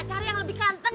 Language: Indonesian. cari yang lebih kanten